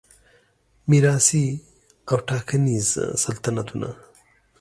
میراثي او ټاکنیز سلطنتونه